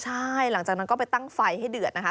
ใช่หลังจากนั้นก็ไปตั้งไฟให้เดือดนะคะ